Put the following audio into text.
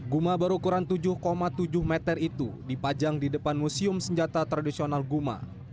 guma berukuran tujuh tujuh meter itu dipajang di depan museum senjata tradisional guma